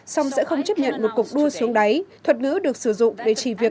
song sẽ không chấp nhận một cuộc đua xuống đáy thuật ngữ được sử dụng để chỉ việc